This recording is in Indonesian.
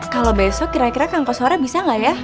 kalau besok kira kira kangkau sore bisa nggak ya